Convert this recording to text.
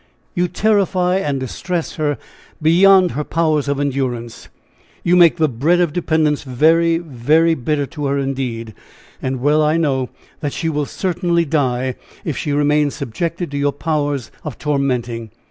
You terrify and distress her beyond her powers of endurance. You make the bread of dependence very, very bitter to her, indeed! And well I know that she will certainly die if she remains subjected to your powers of tormenting.